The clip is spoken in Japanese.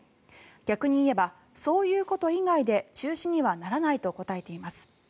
逆に言えばそういうこと以外で中止にはならないと答えています。